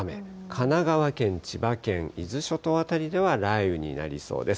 神奈川県、千葉県、伊豆諸島辺りでは雷雨になりそうです。